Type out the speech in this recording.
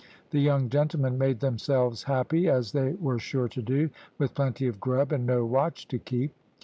The young gentlemen made themselves happy, as they were sure to do, with plenty of grub, and no watch to keep.